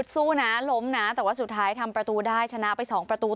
สู้นะล้มนะแต่ว่าสุดท้ายทำประตูได้ชนะไป๒ประตู